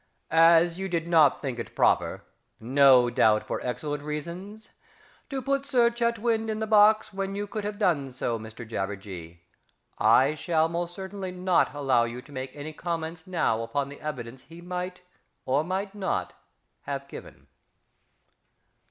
_ As you did not think proper no doubt for excellent reasons to put Sir CHETWYND in the box when you could have done so, Mr JABBERJEE, I shall most certainly not allow you to make any comments now upon the evidence he might or might not have given.